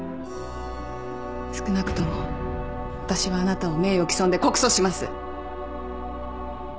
少なくとも私はあなたを名誉毀損で告訴します。